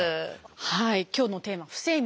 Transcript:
はい今日のテーマ「不整脈」。